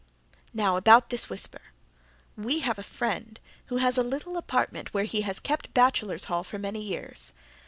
Now about this whisper: We have a friend who has a little apartment where he has kept bachelor's hall for many years.